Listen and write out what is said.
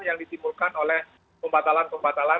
yang ditimbulkan oleh pembatalan pembatalan